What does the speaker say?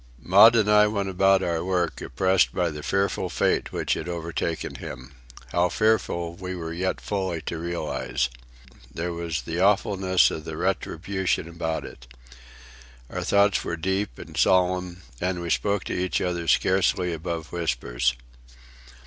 Maud and I went about our work oppressed by the fearful fate which had overtaken him,—how fearful we were yet fully to realize. There was the awfulness of retribution about it. Our thoughts were deep and solemn, and we spoke to each other scarcely above whispers.